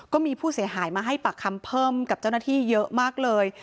ก็มีผู้เสียหายมาให้ปากคำเพิ่มกับเจ้าหน้าที่เยอะมากเลย